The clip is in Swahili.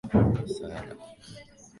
Sarah alikuwa mchezaji wa kisasa